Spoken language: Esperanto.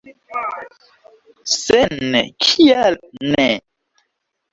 Se ne, kial ne?